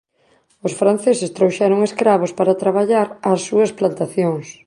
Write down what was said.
Os franceses trouxeron escravos para traballar as súas plantacións.